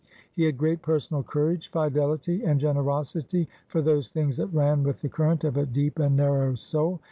He had great personal courage, fidelity, and generosity for those things that ran with the current of a deep and nar row soul.